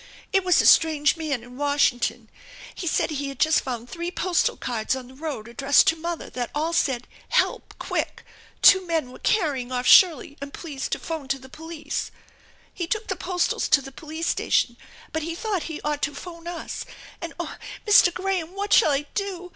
It was a strange man in Washington. He said he had just found three postal cards on the road addressed to mother, that all said ' Help ! Quick ! Two men were carrying off Shirley and please to phone to the police/ He took the postals to the police station, but he thought he ought to phone us. And oh, Mr. Graham, what shall I do?